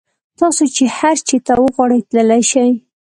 تاسو چې هر چېرته وغواړئ تللی شئ.